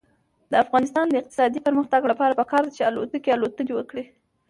د افغانستان د اقتصادي پرمختګ لپاره پکار ده چې الوتکې الوتنې وکړي.